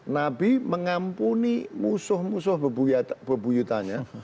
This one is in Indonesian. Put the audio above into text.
nabi mengampuni musuh musuh bebuyutannya